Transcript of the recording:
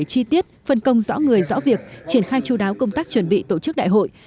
chi tiết phân công rõ người rõ việc triển khai chú đáo công tác chuẩn bị tổ chức đại hội